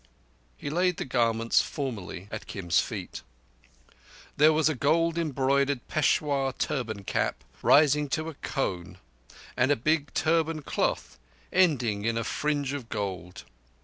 He laid the garments formally at Kim's feet. There was a gold embroidered Peshawur turban cap, rising to a cone, and a big turban cloth ending in a broad fringe of gold.